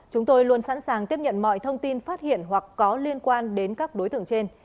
chúng tôi luôn sẵn sàng tiếp nhận mọi thông tin phát hiện hoặc có liên quan đến các đối tượng trên